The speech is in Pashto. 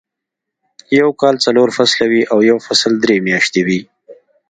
يو کال څلور فصله وي او يو فصل درې میاشتې وي.